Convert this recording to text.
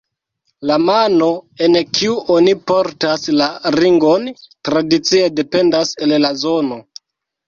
La mano en kiu oni portas la ringon tradicie dependas el la zono.